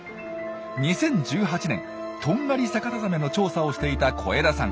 ２０１８年トンガリサカタザメの調査をしていた小枝さん。